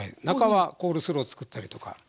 中はコールスロー作ったりとか。